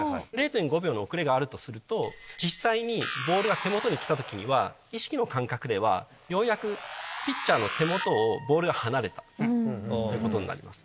０．５秒の遅れがあるとすると実際にボールが手元に来た時には意識の感覚ではようやくピッチャーの手元をボールが離れたってことになります。